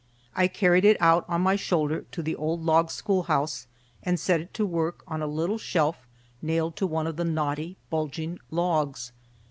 I carried it out on my shoulder to the old log schoolhouse, and set it to work on a little shelf nailed to one of the knotty, bulging logs.